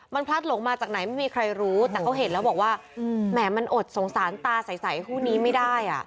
มันพลัดหลงมาจากไหนไม่มีใครรู้แต่เขาเห็นแล้วบอกว่าแหมมันอดสงสารตาใสคู่นี้ไม่ได้อ่ะ